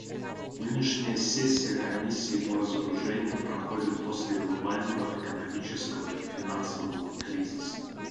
Нынешняя сессия Комиссии по разоружению проходит после глобального экономического и финансового кризиса.